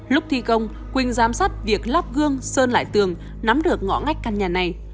lúc thi công quỳnh giám sát việc lắp gương lại tường nắm được ngõ ngách căn nhà này